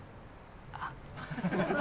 あっ。